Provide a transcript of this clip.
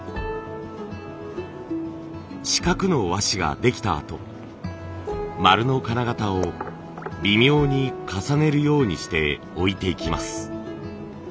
四角の和紙ができたあと丸の金型を微妙に重ねるようにして置いていきます。